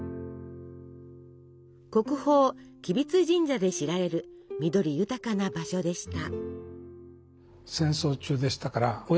国宝吉備津神社で知られる緑豊かな場所でした。